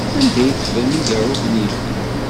Anda ay teffrem igeṛṛuten-inu?